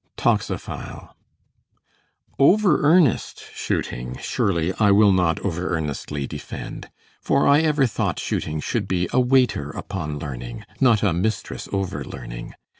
Toxophile Over earnest shooting surely I will not over earnestly defend; for I ever thought shooting should be a waiter upon learning, not a mistress over learning.